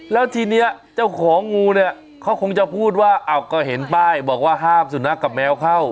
แล้วทีนี้เจ้าของงูเนี่ยเขาคงจะพูดว่าอ้าวก็เห็นป้ายบอกว่าห้ามสุนัขกับแมวเข้า